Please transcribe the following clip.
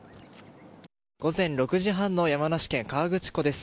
午前６時半の山梨県河口湖です。